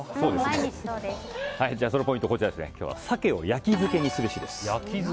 そのポイント、今日は鮭を焼漬けにすべしです。